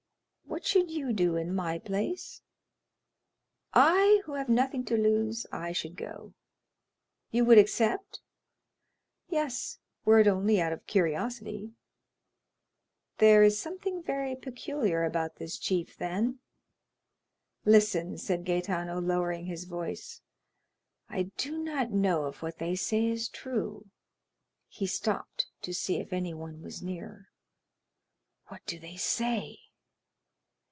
"What should you do in my place?" "I, who have nothing to lose,—I should go." 20075m "You would accept?" "Yes, were it only out of curiosity." "There is something very peculiar about this chief, then?" "Listen," said Gaetano, lowering his voice, "I do not know if what they say is true"—he stopped to see if anyone was near. "What do they say?"